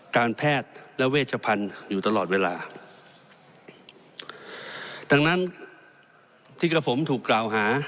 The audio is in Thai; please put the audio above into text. การแพทย์และเวชพันธุ์อยู่ตลอดเวลาดังนั้นที่กระผมถูกกล่าวหา